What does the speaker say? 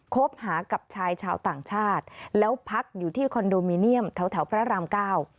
คบหากับชายชาวต่างชาติแล้วพักอยู่ที่คอนโดมิเนียมแถวแถวพระรามเก้า